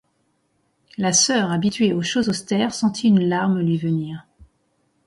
La sœur, habituée aux choses austères, sentit une larme lui venir.